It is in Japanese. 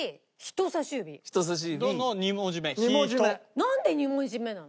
なんで２文字目なの？